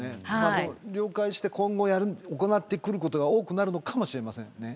了解して今後行ってくることが多くなるのかもしれません。